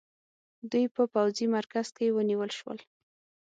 دوی په پوځي مرکز کې ونیول شول.